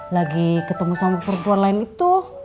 lagi ketemu sama perempuan lain itu